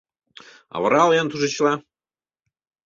Авырал-ян тушечла!